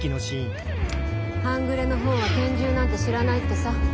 半グレの方は拳銃なんて知らないってさ。